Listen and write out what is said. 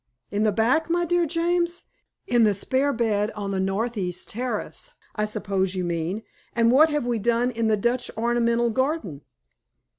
"In the back my dear James! In the spare bed on the North east terrace, I suppose you mean? And what have we done in the Dutch Ornamental Garden?"